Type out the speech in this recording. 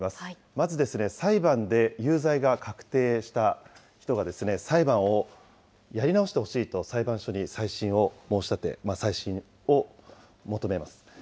まずですね、裁判で有罪が確定した人が、裁判をやり直してほしいと、裁判所に再審を申し立て、再審を求めます。